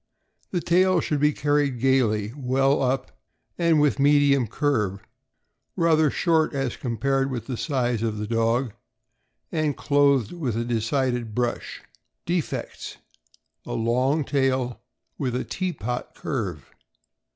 — The tail should be carried gaily, well up, and with medium curve, rather short as compared with the size of the dog, and clothed with a decided brush. Defects: A long tail, with a tea pot curve.